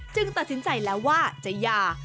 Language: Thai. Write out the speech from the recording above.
ตัดสินใจแล้วว่าจะหย่า